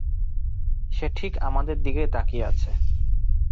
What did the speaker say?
সে ঠিক আমাদের দিকেই তাকিয়ে আছে।